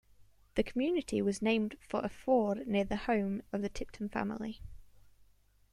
The community was named for a ford near the home of the Tipton family.